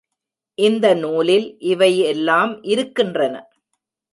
இந்த நூலில் இவை எல்லாம் இருக்கின்றன.